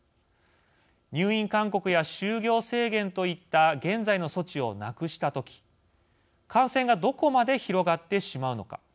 入院勧告や就業制限といった現在の措置をなくした時感染がどこまで広がってしまうのか。